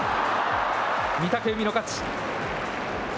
御嶽海の勝ち。